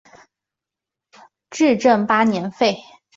至正八年废。